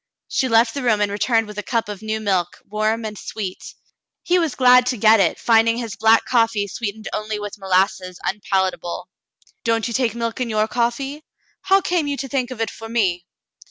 She left the room and returned with a cup of new milk, warm and sweet. He was glad to get it, finding his black coffee sweetened only with molasses unpalatable. "Don't you take milk in your coffee.'^ How came you to think of it for me